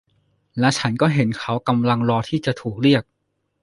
และฉันก็เห็นเขากำลังรอที่จะถูกเรียก